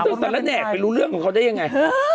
ใส่แต่ละแหน่งไปรู้เรื่องของเขาได้ยังไง